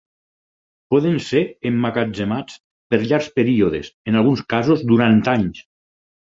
Poden ser emmagatzemats per llargs períodes, en alguns casos durant anys.